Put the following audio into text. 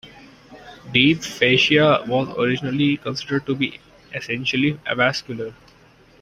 Deep fascia was originally considered to be essentially avascular.